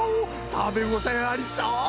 たべごたえありそう！